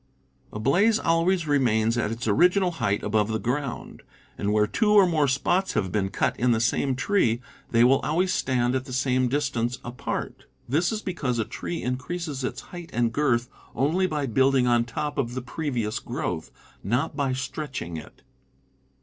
A blaze always remains at its original height above the ground, and, where two or more spots have been cut in the same tree, they will always stand at the same distance apart. This is because a tree increases its height and girth only by building on top of the pre vious growth, not by stretching it.